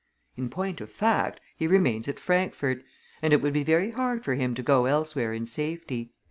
In point of fact, he remains at Frankfurt, and it would be very hard for him to go elsewhere in safety."